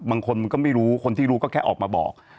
บางคนมันก็ไม่รู้คนที่รู้ก็แค่ออกมาบอก